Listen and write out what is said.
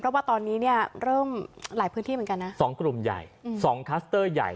เพราะว่าตอนนี้เนี่ยเริ่มหลายพื้นที่เหมือนกันนะสองกลุ่มใหญ่อืมสองคลัสเตอร์ใหญ่